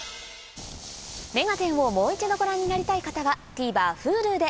『目がテン！』をもう１度ご覧になりたい方はＴＶｅｒＨｕｌｕで